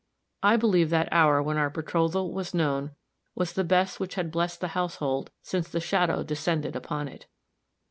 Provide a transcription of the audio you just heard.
I believe that hour when our betrothal was known was the best which had blessed the household since the shadow descended upon it.